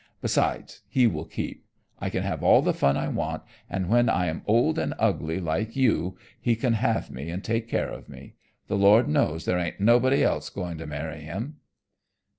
Besides he will keep. I can have all the fun I want, and when I am old and ugly like you he can have me and take care of me. The Lord knows there ain't nobody else going to marry him."